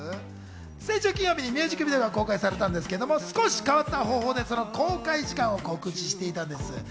先週金曜日にミュージックビデオが公開されたんですけど、少し変わった方法でその公開時間を告知していたんです。